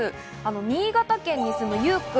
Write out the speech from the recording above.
新潟県に住む、ゆうくん。